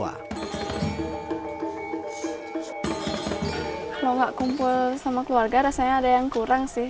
kalau nggak kumpul sama keluarga rasanya ada yang kurang sih